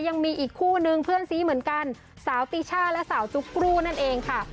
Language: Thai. ยังมีอีกคู่นึงเพื่อนซีเหมือนกันสาวติช่าและสาวจุ๊กกรูนั่นเองค่ะ